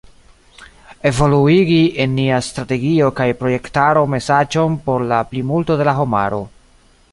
Evoluigi en nia strategio kaj projektaro mesaĝon por la plimulto de la homaro."